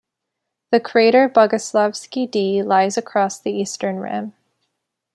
The crater Boguslawsky D lies across the eastern rim.